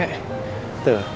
sampai jumpa lagi